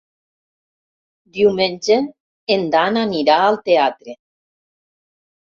Diumenge en Dan anirà al teatre.